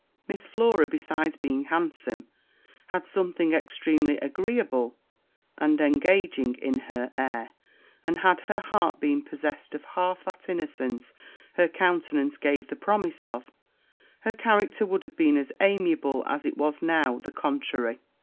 Miss Flora, besides being handsome, had something extremely agreeable and engaging in her air; and had her heart been possessed of half that innocence her countenance gave the promise of, her character would have been as amiable as it was now the contrary.